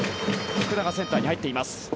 福田がセンターに入っています。